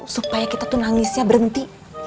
supaya kita tuh nangisnya berhenti